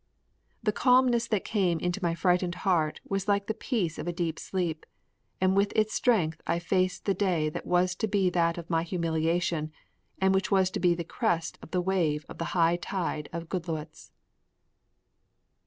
The calmness that came into my frightened heart was like the peace of a deep sleep, and with its strength I faced the day that was to be that of my humiliation and which was to be the crest of the wave of the high tide of Goodloets.